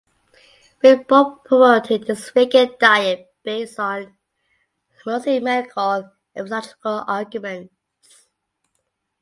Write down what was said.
Rimbault promoted his vegan diet based on mostly medical and physiological arguments.